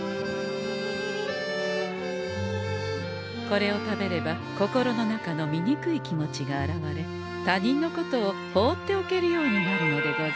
これを食べれば心の中のみにくい気持ちが洗われ他人のことを放っておけるようになるのでござんす。